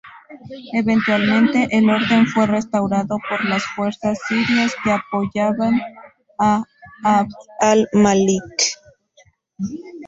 Eventualmente, el orden fue restaurado por las fuerzas sirias que apoyaban a Abd al-Malik.